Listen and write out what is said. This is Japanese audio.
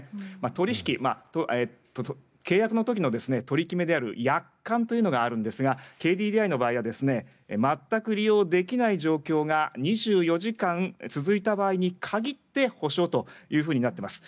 取引、契約の時の取り決めである約款というのがあるんですがＫＤＤＩの場合は全く利用できない状況が２４時間続いた場合に限って補償というふうになっています。